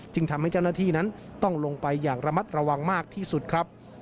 ทำให้เจ้าหน้าที่นั้นต้องลงไปอย่างระมัดระวังมากที่สุดครับ